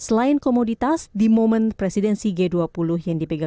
selain komoditas di momen presiden cg dua puluh yang dipegangkan